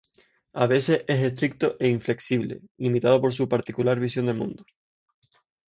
A veces es estricto e inflexible, limitado por su particular visión del mundo.